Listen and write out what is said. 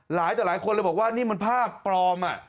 หลายคนเลยบอกว่านี่มันภาพปลอม